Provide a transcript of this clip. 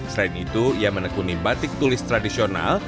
selain itu ia menekuni batik tulis tradisional